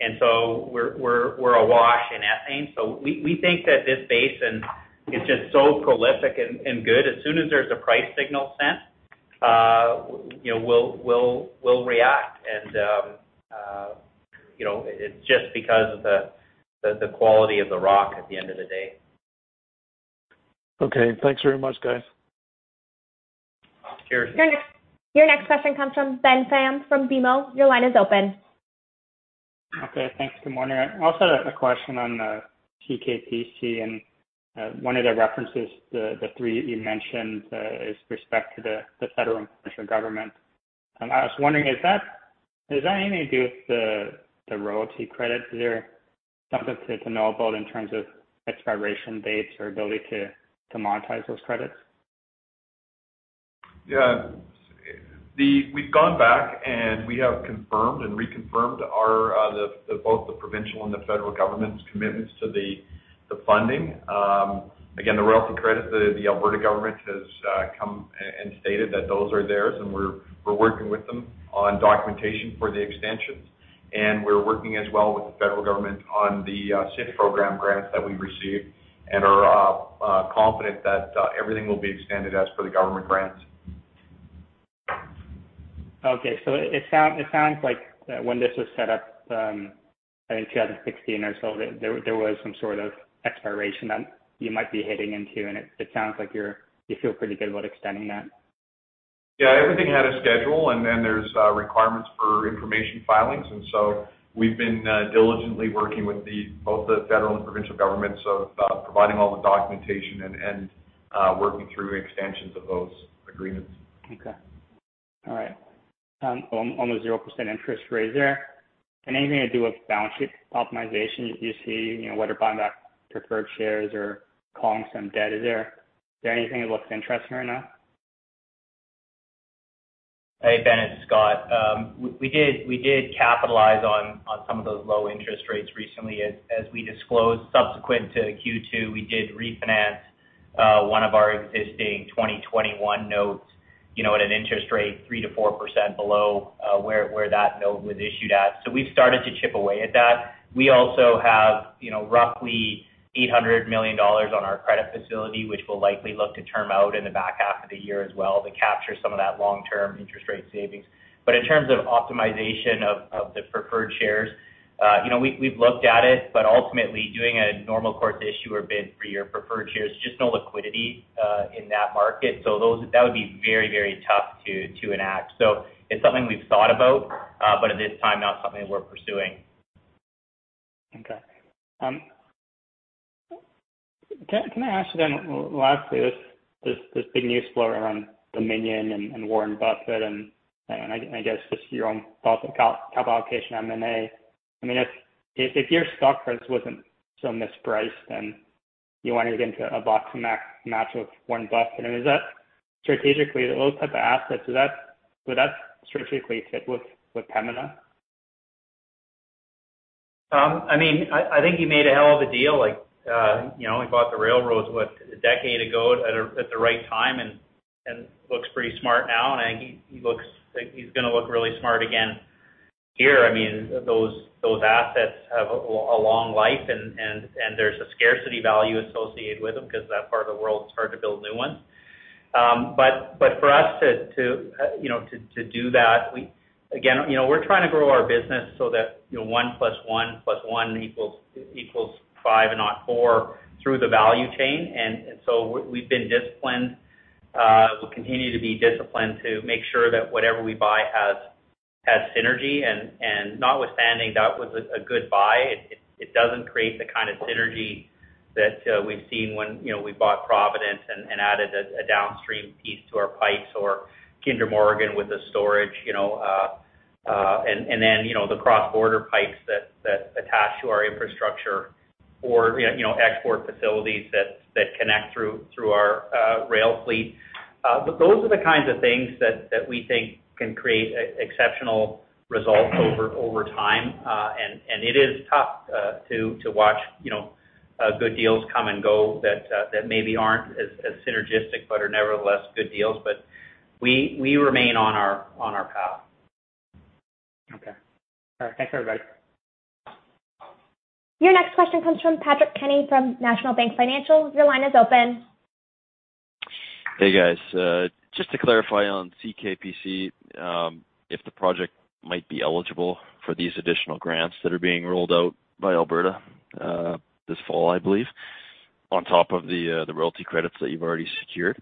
We're awash in ethane. We think that this basin is just so prolific and good. As soon as there's a price signal sent, we'll react and it's just because of the quality of the rock at the end of the day. Okay. Thanks very much, guys. Cheers. Your next question comes from Ben Pham from BMO. Your line is open. Okay. Thanks. Good morning. I also had a question on CKPC, and one of the references, the three that you mentioned, is respect to the federal and provincial government. I was wondering, does that have anything to do with the royalty credits there? Something to know about in terms of expiration dates or ability to monetize those credits? Yeah. We've gone back. We have confirmed and reconfirmed both the provincial and the federal government's commitments to the funding. Again, the royalty credit, the Alberta government has come and stated that those are theirs. We're working with them on documentation for the extensions. We're working as well with the federal government on the SIF program grants that we received and are confident that everything will be extended as per the government grants. It sounds like when this was set up, I think 2016 or so, there was some sort of expiration that you might be hitting into, and it sounds like you feel pretty good about extending that. Yeah, everything had a schedule, and then there's requirements for information filings. We've been diligently working with both the federal and provincial governments of providing all the documentation and working through extensions of those agreements. Okay. All right. On the 0% interest rates there, anything to do with balance sheet optimization you see, whether buying back preferred shares or calling some debt? Is there anything that looks interesting right now? Hey, Ben, it's Scott. We did capitalize on some of those low-interest rates recently. As we disclosed subsequent to Q2, we did refinance one of our existing 2021 notes, at an interest rate 3%-4% below where that note was issued at. We've started to chip away at that. We also have roughly 800 million dollars on our credit facility, which we'll likely look to term out in the back half of the year as well to capture some of that long-term interest rate savings. In terms of optimization of the preferred shares, we've looked at it, but ultimately doing a normal course issue or bid for your preferred shares, there's just no liquidity in that market. That would be very, very tough to enact. It's something we've thought about, but at this time, not something we're pursuing. Okay. Can I ask you then, lastly, this big news floating around Dominion and Warren Buffett and, I guess just your own thoughts on capital allocation, M&A. If your stock price wasn't so mispriced and you wanted to get into a boxing match with Warren Buffett, strategically, those type of assets, would that strategically fit with Pembina? I think he made a hell of a deal. He bought the railroads, what, a decade ago at the right time and looks pretty smart now, and I think he's going to look really smart again here. Those assets have a long life and there's a scarcity value associated with them because that part of the world, it's hard to build new ones. For us to do that, again, we're trying to grow our business so that 1 + 1 + 1 = 5 and not four through the value chain. We've been disciplined. We'll continue to be disciplined to make sure that whatever we buy has synergy and notwithstanding, that was a good buy. It doesn't create the kind of synergy that we've seen when we bought Provident and added a downstream piece to our pipes or Kinder Morgan with the storage, and then the cross-border pipes that attach to our infrastructure or export facilities that connect through our rail fleet. Those are the kinds of things that we think can create exceptional results over time. It is tough to watch good deals come and go that maybe aren't as synergistic, but are nevertheless good deals. We remain on our path. Okay. All right. Thanks, everybody. Your next question comes from Patrick Kenny from National Bank Financial. Your line is open. Hey, guys. Just to clarify on CKPC, if the project might be eligible for these additional grants that are being rolled out by Alberta, this fall, I believe, on top of the royalty credits that you've already secured.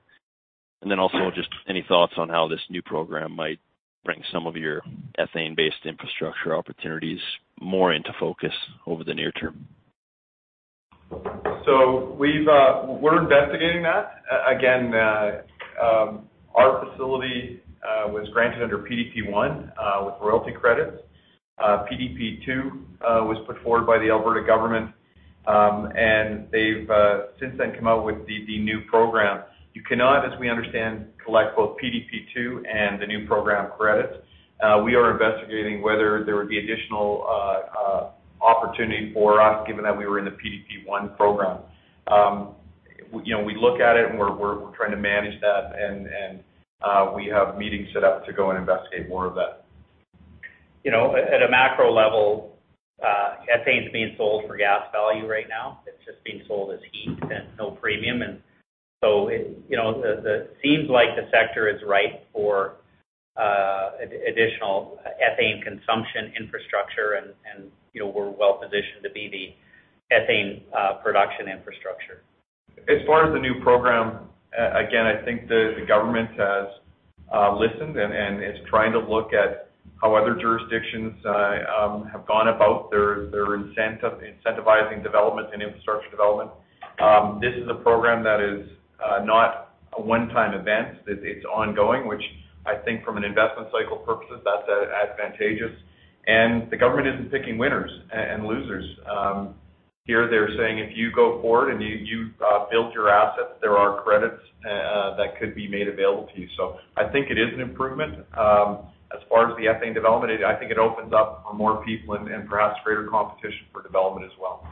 Just any thoughts on how this new program might bring some of your ethane-based infrastructure opportunities more into focus over the near term? We're investigating that. Again, our facility was granted under PDP1, with royalty credits. PDP2 was put forward by the Alberta government, and they've since then come out with the new program. You cannot, as we understand, collect both PDP2 and the new program credits. We are investigating whether there would be additional opportunity for us given that we were in the PDP1 program. We look at it and we're trying to manage that and we have meetings set up to go and investigate more of that. At a macro level, ethane's being sold for gas value right now. It's just being sold as heat and no premium. It seems like the sector is ripe for additional ethane consumption infrastructure. We're well-positioned to be the ethane production infrastructure. As far as the new program, again, I think the government has listened and is trying to look at how other jurisdictions have gone about their incentivizing development and infrastructure development. This is a program that is not a one-time event. It's ongoing, which I think from an investment cycle purposes, that's advantageous. The government isn't picking winners and losers. Here they're saying, if you go forward and you build your assets, there are credits that could be made available to you. I think it is an improvement. As far as the ethane development, I think it opens up for more people and perhaps greater competition for development as well.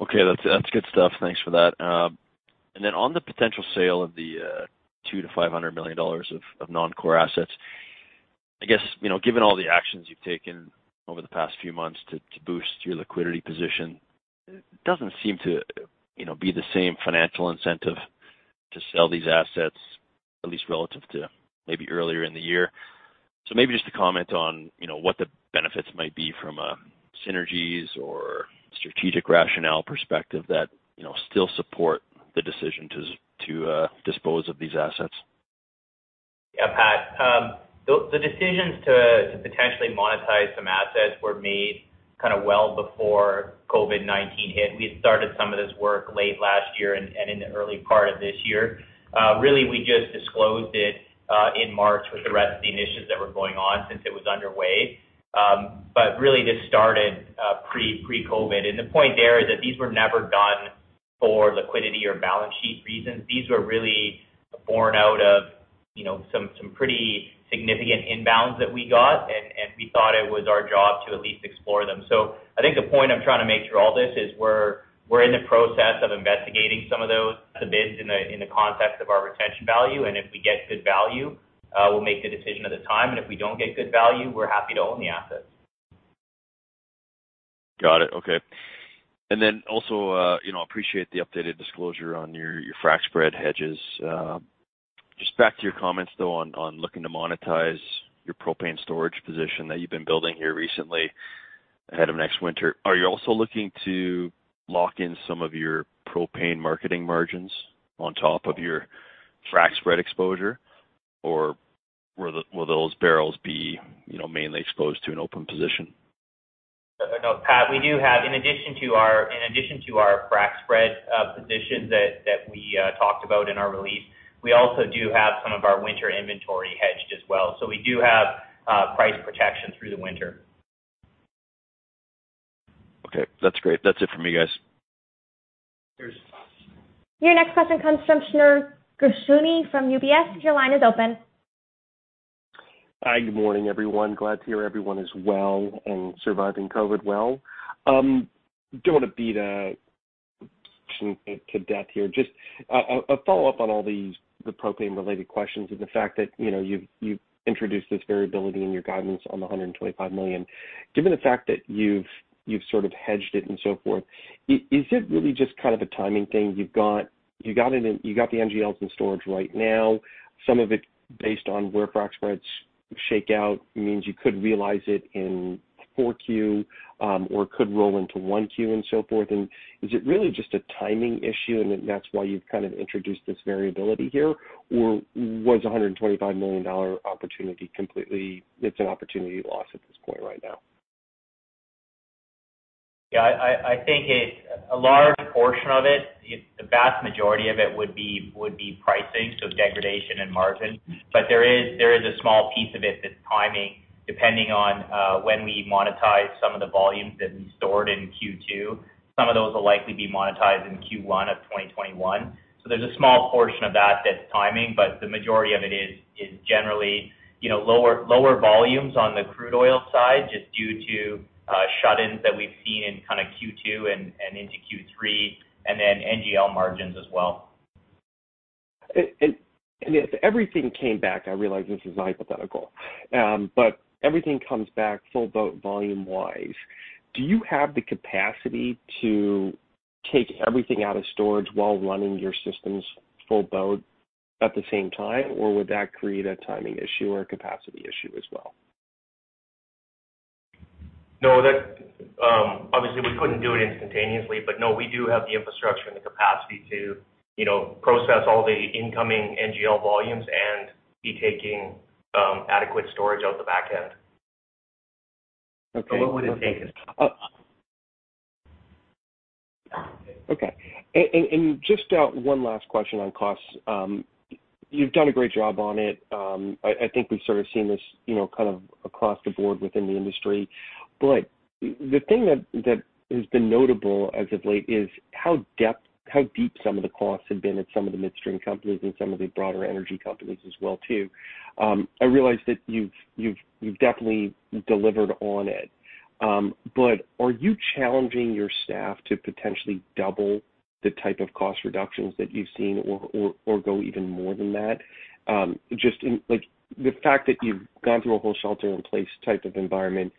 Okay, that's good stuff. Thanks for that. On the potential sale of the 200 million-500 million dollars of non-core assets, I guess, given all the actions you've taken over the past few months to boost your liquidity position, it doesn't seem to be the same financial incentive to sell these assets, at least relative to maybe earlier in the year. Maybe just to comment on what the benefits might be from a synergies or strategic rationale perspective that still support the decision to dispose of these assets? Yeah, Pat. The decisions to potentially monetize some assets were made well before COVID-19 hit. We had started some of this work late last year and in the early part of this year. Really, we just disclosed it in March with the rest of the initiatives that were going on since it was underway. Really this started pre-COVID. The point there is that these were never done for liquidity or balance sheet reasons. These were really born out of some pretty significant inbounds that we got, and we thought it was our job to at least explore them. I think the point I'm trying to make through all this is we're in the process of investigating some of those, the bids in the context of our retention value. If we get good value, we'll make the decision at the time. If we don't get good value, we're happy to own the assets. Got it. Okay. Also, I appreciate the updated disclosure on your frac spread hedges. Just back to your comments, though, on looking to monetize your propane storage position that you've been building here recently ahead of next winter. Are you also looking to lock in some of your propane marketing margins on top of your frac spread exposure? Will those barrels be mainly exposed to an open position? No, Pat, we do have, in addition to our frac spread position that we talked about in our release, we also do have some of our winter inventory hedged as well. We do have price protection through the winter. Okay, that's great. That's it for me, guys. Cheers. Your next question comes from Shneur Gershuni from UBS. Your line is open. Hi, good morning, everyone. Glad to hear everyone is well and surviving COVID-19 well. Don't want to beat it to death here. Just a follow-up on all these, the propane-related questions and the fact that you've introduced this variability in your guidance on the 125 million. Given the fact that you've sort of hedged it and so forth, is it really just a timing thing? You got the NGLs in storage right now, some of it based on where frac spreads shake out means you could realize it in 4Q, or it could roll into 1Q and so forth. Is it really just a timing issue and that's why you've introduced this variability here? Or was 125 million dollar opportunity completely, it's an opportunity lost at this point right now? Yeah, I think a large portion of it, the vast majority of it would be pricing, so degradation and margin. There is a small piece of it that's timing, depending on when we monetize some of the volumes that we stored in Q2. Some of those will likely be monetized in Q1 of 2021. There's a small portion of that that's timing, but the majority of it is generally lower volumes on the crude oil side, just due to shut-ins that we've seen in Q2 and into Q3, and then NGL margins as well. If everything came back, I realize this is a hypothetical, but everything comes back full boat volume-wise, do you have the capacity to take everything out of storage while running your systems full boat at the same time? Would that create a timing issue or a capacity issue as well? No. Obviously, we couldn't do it instantaneously, but no, we do have the infrastructure and the capacity to process all the incoming NGL volumes and be taking adequate storage out the back end. Okay. What would it take us? Okay. Just one last question on costs. You've done a great job on it. I think we've sort of seen this, kind of across the board within the industry. The thing that has been notable as of late is how deep some of the costs have been at some of the midstream companies and some of the broader energy companies as well, too. I realize that you've definitely delivered on it. Are you challenging your staff to potentially double the type of cost reductions that you've seen or go even more than that? Just in the fact that you've gone through a whole shelter-in-place type of environment,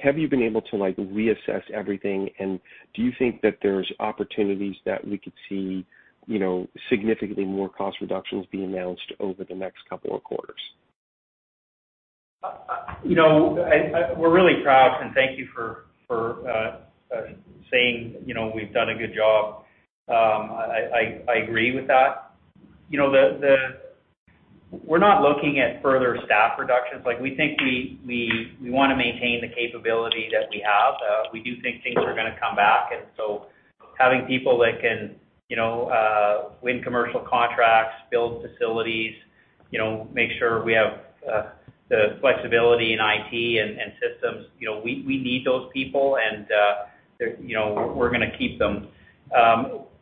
have you been able to reassess everything? Do you think that there's opportunities that we could see significantly more cost reductions being announced over the next couple of quarters? We're really proud. Thank you for saying we've done a good job. I agree with that. We're not looking at further staff reductions. We think we want to maintain the capability that we have. We do think things are going to come back. Having people that can win commercial contracts, build facilities, make sure we have the flexibility in IT and systems, we need those people, and we're going to keep them.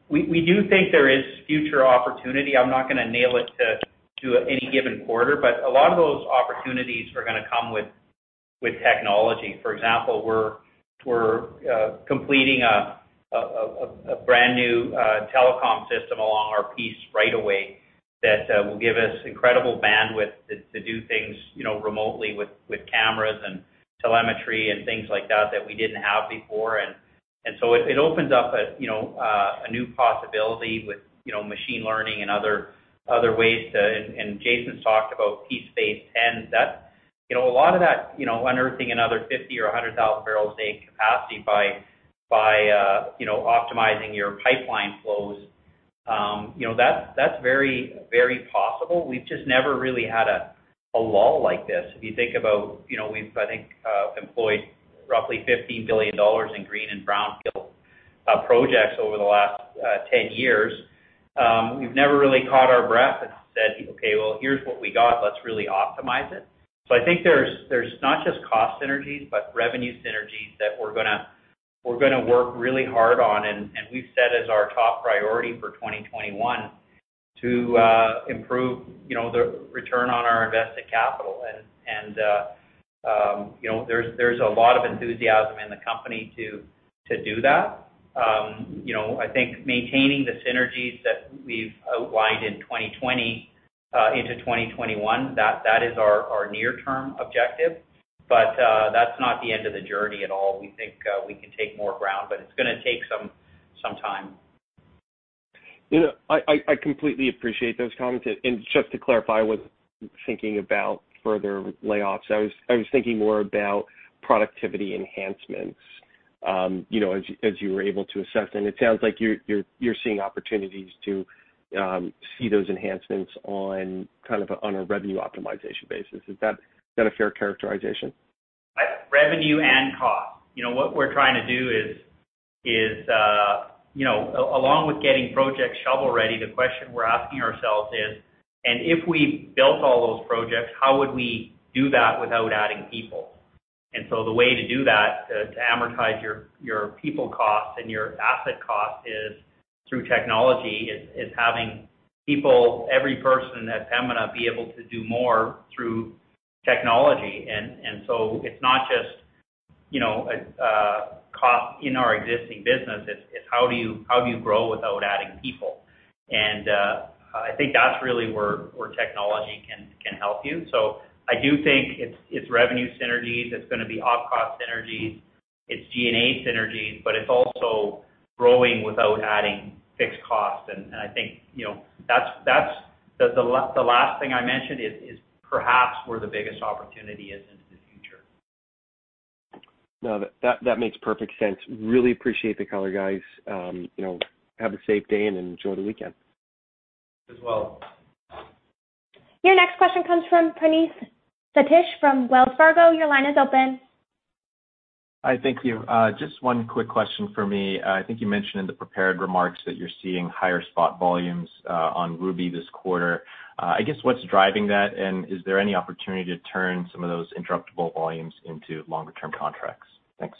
We do think there is future opportunity. I'm not going to nail it to any given quarter, but a lot of those opportunities are going to come with technology. For example, we're completing a brand-new telecom system along our Peace right away that will give us incredible bandwidth to do things remotely with cameras and telemetry and things like that we didn't have before. It opens up a new possibility with machine learning and other ways. Jason's talked about Peace phase X. A lot of that, unearthing another 50,000 bpd or 100,000 bpd capacity by optimizing your pipeline flows, that's very possible. We've just never really had a lull like this. If you think about, we've, I think, employed roughly 15 billion dollars in green and brown field projects over the last 10 years. We've never really caught our breath and said, "Okay, well, here's what we got. Let's really optimize it." I think there's not just cost synergies, but revenue synergies that we're going to work really hard on. We've set as our top priority for 2021 to improve the return on our invested capital. There's a lot of enthusiasm in the company to do that. I think maintaining the synergies that we've outlined in 2020 into 2021, that is our near term objective. That's not the end of the journey at all. We think we can take more ground, but it's going to take some time. I completely appreciate those comments. Just to clarify, I wasn't thinking about further layoffs. I was thinking more about productivity enhancements as you were able to assess them. It sounds like you're seeing opportunities to see those enhancements on a revenue optimization basis. Is that a fair characterization? Revenue and cost. What we're trying to do is, along with getting projects shovel-ready, the question we're asking ourselves is, if we built all those projects, how would we do that without adding people? The way to do that, to amortize your people cost and your asset cost, is through technology, is having people, every person at Pembina, be able to do more through technology. It's not just cost in our existing business, it's how do you grow without adding people? I think that's really where technology can help you. I do think it's revenue synergies. It's going to be op-cost synergies. It's G&A synergies, it's also growing without adding fixed costs. I think the last thing I mentioned is perhaps where the biggest opportunity is into the future. No, that makes perfect sense. Really appreciate the color, guys. Have a safe day, and enjoy the weekend. You as well. Your next question comes from Praneeth Satish from Wells Fargo. Your line is open. Hi, thank you. Just one quick question from me. I think you mentioned in the prepared remarks that you're seeing higher spot volumes on Ruby this quarter. I guess what's driving that, and is there any opportunity to turn some of those interruptible volumes into longer-term contracts? Thanks.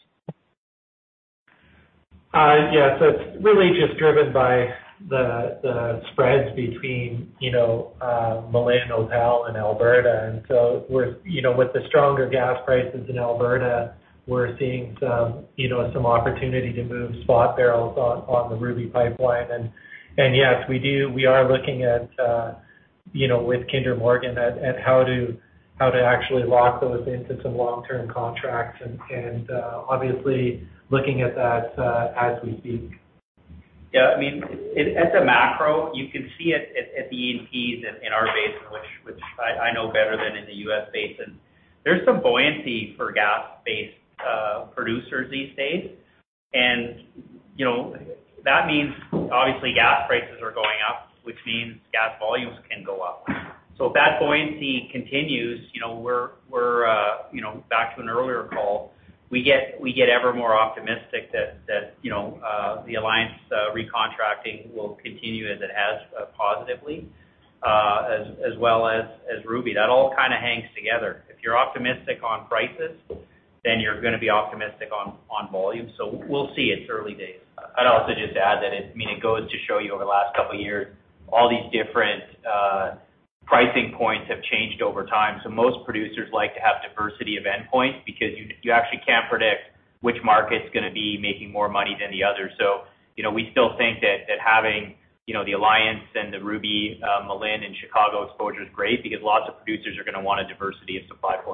It's really just driven by the spreads between Malin, Opal, and Alberta. With the stronger gas prices in Alberta, we're seeing some opportunity to move spot barrels on the Ruby Pipeline. Yes, we are looking at, with Kinder Morgan, at how to actually lock those into some long-term contracts and obviously looking at that as we speak. Yeah. At the macro, you can see it at the E&Ps in our basin, which I know better than in the U.S. basin. That means obviously gas prices are going up, which means gas volumes can go up. If that buoyancy continues, we're back to an earlier call. We get ever more optimistic that the Alliance recontracting will continue as it has, positively, as well as Ruby. That all hangs together. If you're optimistic on prices, you're going to be optimistic on volume. We'll see. It's early days. I'd also just add that it goes to show you over the last couple of years, all these different pricing points have changed over time. Most producers like to have diversity of endpoint because you actually can't predict which market's going to be making more money than the other. We still think that having the Alliance and the Ruby, Malin, and Chicago exposure is great because lots of producers are going to want a diversity of supply partners.